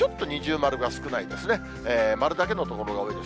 丸だけの所が多いです。